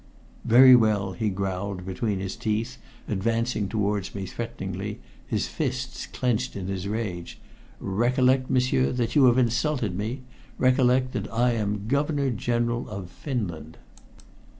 "Very well," he growled between his teeth, advancing towards me threateningly, his fists clenched in his rage. "Recollect, m'sieur, that you have insulted me. Recollect that I am Governor General of Finland."